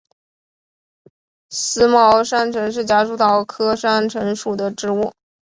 思茅山橙是夹竹桃科山橙属的植物。